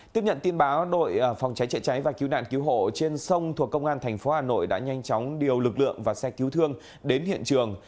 tiếp nhận tin báo đội phòng cháy chạy cháy và cứu nạn cứu hộ trên sông thuộc công an thành phố hà nội đã nhanh chóng điều lực lượng và xe cứu thương đến hiện trường